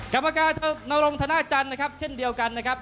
กรรมการนรงธนาจันทร์นะครับเช่นเดียวกันนะครับ